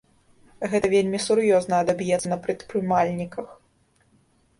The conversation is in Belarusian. Гэта вельмі сур'ёзна адаб'ецца на прадпрымальніках.